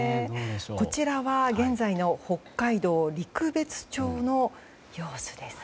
こちらは現在の北海道陸別町の様子です。